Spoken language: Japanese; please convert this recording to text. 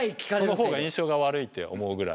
そのほうが印象が悪いって思うぐらい。